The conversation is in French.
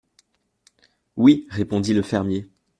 Oui, répondit le fermier.